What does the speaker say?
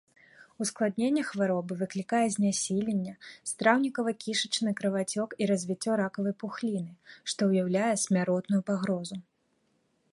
Ускладненне хваробы выклікае знясіленне, страўнікава-кішачны крывацёк і развіццё ракавай пухліны, што ўяўляе смяротную пагрозу.